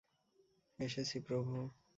এসেছি, প্রভু।